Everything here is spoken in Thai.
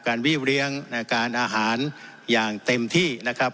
วี่เลี้ยงการอาหารอย่างเต็มที่นะครับ